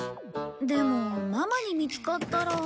でもママに見つかったら。